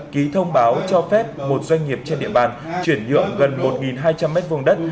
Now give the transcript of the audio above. ký thông báo cho phép một doanh nghiệp trên địa bàn chuyển nhượng gần một hai trăm linh m hai đất